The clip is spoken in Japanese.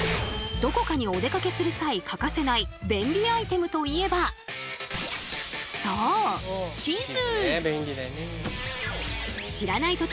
どこかにお出かけする際欠かせない便利アイテムといえばそう地図。